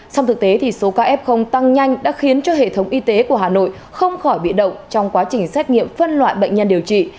xong thực tế thì số ca f tăng nhanh đã khiến cho hệ thống y tế của hà nội không khỏi bị động trong quá trình xét nghiệm phân loại bệnh nhân điều trị